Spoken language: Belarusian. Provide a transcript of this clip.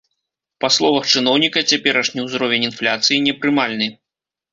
Па словах чыноўніка, цяперашні ўзровень інфляцыі непрымальны.